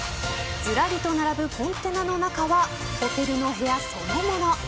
ずらりと並ぶコンテナの中はホテルの部屋そのもの。